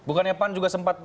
bukannya pan juga sempat